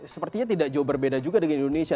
sepertinya tidak jauh berbeda juga dengan indonesia